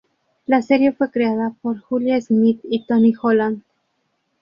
La serie fue creada por Julia Smith y Tony Holland.